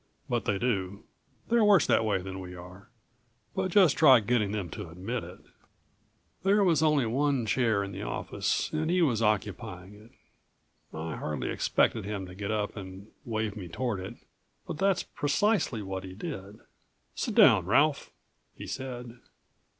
But they do. They're worse that way than we are, but just try getting them to admit it." There was only one chair in the office and he was occupying it. I hardly expected him to get up and wave me toward it, but that's precisely what he did. "Sit down, Ralph," he said.